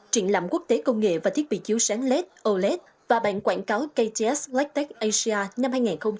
triển lãm quốc tế công nghệ và thiết bị chiếu sáng led oled và bảng quảng cáo kts black tech asia năm hai nghìn hai mươi bốn